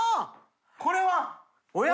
これは┐